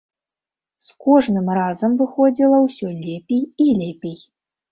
З кожным разам выходзіла ўсё лепей і лепей.